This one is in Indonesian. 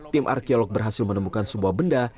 tim arkeolog berhasil menemukan sebuah benda